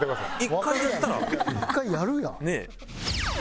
１回やるやん！